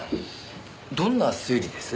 どんな推理です？